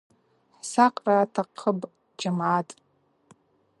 Хӏсакъра атахъыпӏ, джьамгӏат.